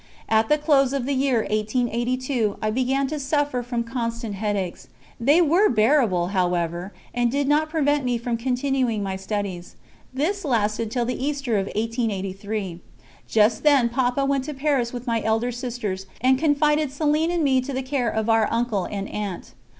At the close of the year 1882 I began to suffer from constant headaches; they were bearable, however, and did not prevent me from continuing my studies. This lasted till the Easter of 1883. Just then Papa went to Paris with my elder sisters, and confided Céline and me to the care of our uncle and aunt.